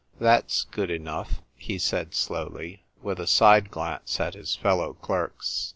" That's good enough," he said slowly, with a side glance at his fellow clerks.